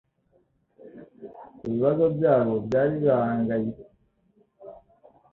Ku bibazo byabo byari bibahangayitse,